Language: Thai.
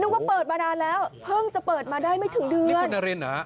ว่าเปิดมานานแล้วเพิ่งจะเปิดมาได้ไม่ถึงเดือนนี่คุณนารินเหรอฮะ